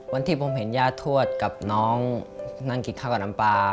วันที่ผมเห็นย่าทวดกับน้องนั่งกินข้าวกับน้ำปลา